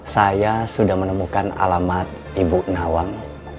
saya sudah menemukan alamat ibu nawang